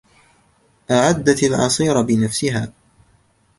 أعدت العصير بنفسها.